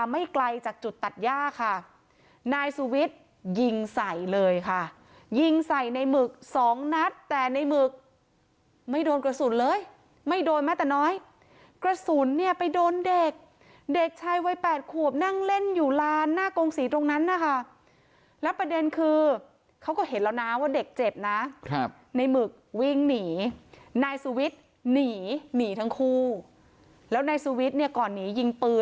ไม่ไกลจากจุดตัดย่าค่ะนายสุวิทย์ยิงใส่เลยค่ะยิงใส่ในหมึกสองนัดแต่ในหมึกไม่โดนกระสุนเลยไม่โดนแม้แต่น้อยกระสุนเนี่ยไปโดนเด็กเด็กชายวัยแปดขวบนั่งเล่นอยู่ลานหน้ากงศรีตรงนั้นนะคะแล้วประเด็นคือเขาก็เห็นแล้วนะว่าเด็กเจ็บนะครับในหมึกวิ่งหนีนายสุวิทย์หนีหนีทั้งคู่แล้วนายสุวิทย์เนี่ยก่อนหนียิงปืน